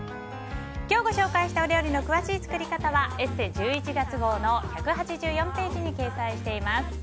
今日ご紹介した料理の詳しい作り方は「ＥＳＳＥ」１１月号の１８４ページに掲載しています。